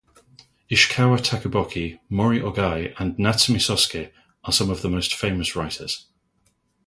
Ishikawa Takuboku, Mori Ogai, and Natsume Soseki are some of the most famous writers.